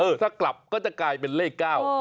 ถ้ากลับก็จะกลายเป็นเลข๙